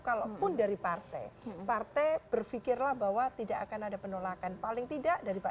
kalaupun dari partai partai berpikirlah bahwa tidak akan ada penolakan paling tidak dari pak